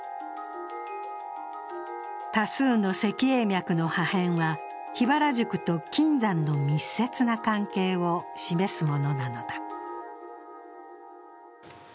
多数の石英脈の破片は桧原宿と金山の密接な関係を示すものなのだ。